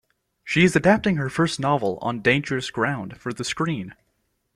She is adapting her first novel, "On Dangerous Ground", for the screen.